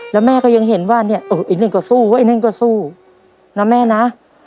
แล้วแม่ก็ยังเห็นว่าเนี่ยเออไอ้หนึ่งก็สู้ว่าไอ้หนึ่งก็สู้นะแม่นะ